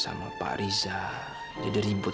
sampai malam lagi jangan sampai buruk